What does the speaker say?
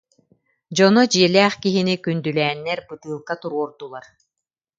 Дьоно дьиэ- лээх киһини күндүлээннэр бытыылка туруордулар